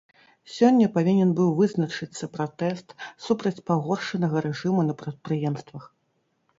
Сёння павінен быў вызначыцца пратэст супраць пагоршанага рэжыму на прадпрыемствах.